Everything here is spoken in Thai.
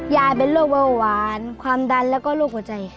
ยายเป็นโรคเบาหวานความดันแล้วก็โรคหัวใจ